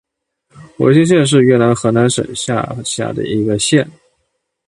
维先县是越南河南省下辖的一个县。